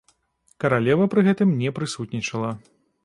Каралева пры гэтым не прысутнічала.